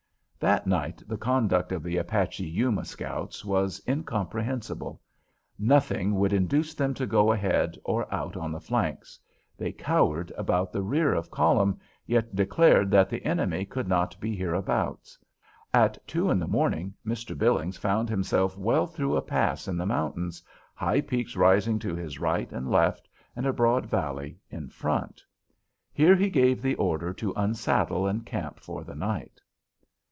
That night the conduct of the Apache Yuma scouts was incomprehensible. Nothing would induce them to go ahead or out on the flanks; they cowered about the rear of column, yet declared that the enemy could not be hereabouts. At two in the morning Mr. Billings found himself well through a pass in the mountains, high peaks rising to his right and left, and a broad valley in front. Here he gave the order to unsaddle and camp for the night.